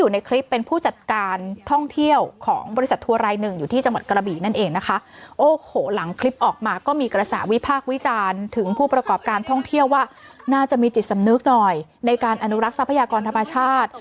ในการอนุรักษ์ทรัพยากรธรรมชาติ